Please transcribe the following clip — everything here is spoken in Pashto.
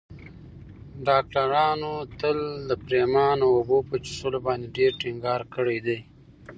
ډاکترانو تل د پرېمانه اوبو په څښلو باندې ډېر ټینګار کړی دی.